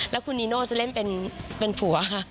แล้วคุณนีโน่จะเล่นเป็นผัวค่ะ